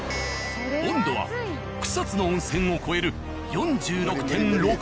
温度は草津の温泉を超える４６．６℃。